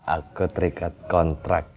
aku terikat kontrak